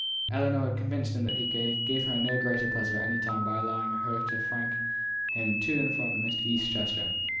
Ellinor had convinced him that he could give her no greater pleasure at any time than by allowing her to frank him to and from East Chester.